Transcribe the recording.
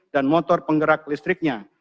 dan motor penggerak listriknya